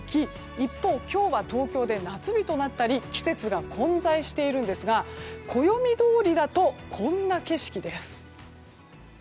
一方、今日は東京で夏日となったり季節が混在しているんですが暦どおりだとこんな景色です。